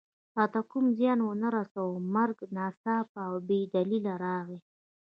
راته کوم زیان و نه رساوه، مرګ ناڅاپه او بې دلیله راغی.